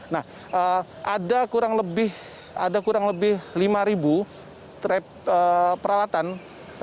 nah ada kurang lebih lima ribu peralatan rapid test